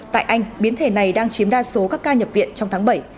tại anh biến thể này đang chiếm đa số các ca nhập viện trong tháng bảy